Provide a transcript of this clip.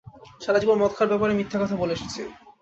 সারা জীবন মদ খাওয়ার ব্যাপারে মিথ্যা কথা বলে এসেছি।